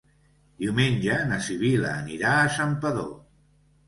Diumenge na Sibil·la anirà a Santpedor.